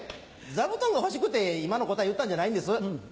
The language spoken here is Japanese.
座布団が欲しくて今の答え言ったんじゃないんです。